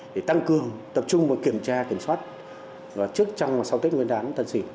để tăng cường tập trung và kiểm tra kiểm soát trước sau tết nguyên đán tân sỉu